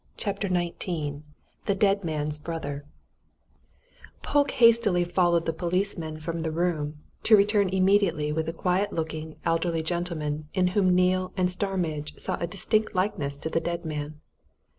CHAPTER XIX THE DEAD MAN'S BROTHER Polke hastily followed the policeman from the room to return immediately with a quiet looking elderly gentleman in whom Neale and Starmidge saw a distinct likeness to the dead man.